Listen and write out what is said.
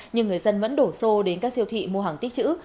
nhưng người dân vẫn đổ xô đến các siêu thị mua hàng tích chữ